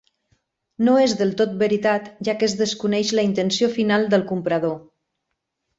No és del tot veritat, ja que es desconeix la intenció final del comprador.